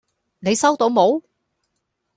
你收到冇？